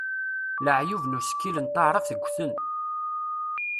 Leɛyub n usekkil n taɛrabt ggten.